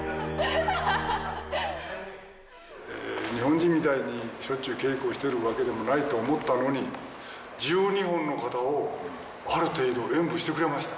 日本人みたいにしょっちゅう稽古してるわけでもないと思ったのに１２本の形をある程度演武してくれました。